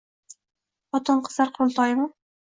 Xotin-qizlar qurultoyimi?